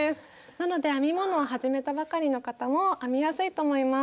なので編み物を始めたばかりの方も編みやすいと思います。